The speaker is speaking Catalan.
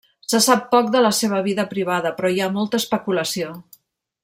Se sap poc de la seva vida privada, però hi ha molta especulació.